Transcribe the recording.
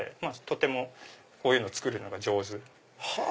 とてもこういうの作るのが上手。